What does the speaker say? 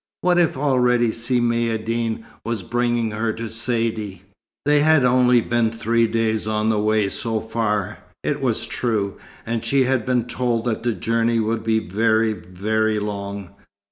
What if already Si Maïeddine was bringing her to Saidee? They had been only three days on the way so far, it was true, and she had been told that the journey would be very, very long.